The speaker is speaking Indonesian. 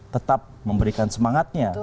tetap memberikan semangatnya